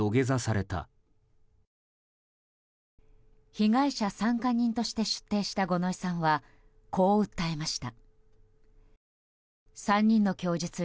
被害者参加人として出廷した五ノ井さんはこう訴えました。